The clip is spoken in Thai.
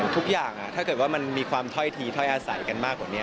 ถ้าเกิดว่ามันมีความถ้อยทีถ้อยอาศัยกันมากกว่านี้